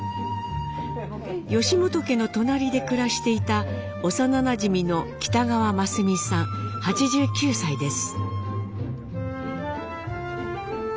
本家の隣で暮らしていた幼なじみの北川マスミさん８９歳です。